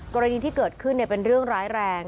กรณีที่เกิดขึ้นเป็นเรื่องร้ายแรง